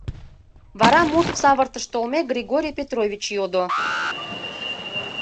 Вара, мут савыртыш толмек, Григорий Петрович йодо: